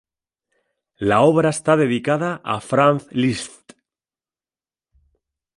La obra está dedicada a Franz Liszt.